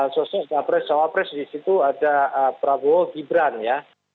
sosok sawapres sawapres di situ ada prabowo gibran ya